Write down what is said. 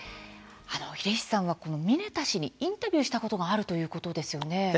出石さんはミネタ氏にインタビューしたことがあるということですよね。